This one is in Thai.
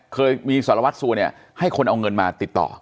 เคยมีสารวัตรสัวเนี่ยให้คนเอาเงินมาติดต่อ